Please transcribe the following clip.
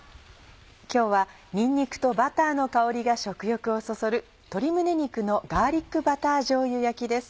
今日はにんにくとバターの香りが食欲をそそる「鶏胸肉のガーリックバターじょうゆ焼き」です。